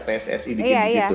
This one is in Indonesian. pssi bikin di situ